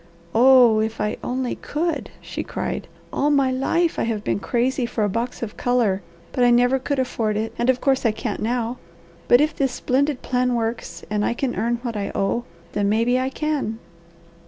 "Oh if I only could!" she cried. "All my life I have been crazy for a box of colour, but I never could afford it, and of course, I can't now. But if this splendid plan works, and I can earn what I owe, then maybe I can."